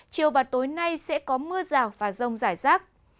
chiều và tối nay sẽ có mưa rào và rông rải rác